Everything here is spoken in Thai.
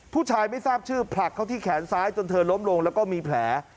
ผู้ชายไม่ทราบชื่อผลักเข้าที่แขนซ้ายจนเธอล้มลงแล้วก็มีแผล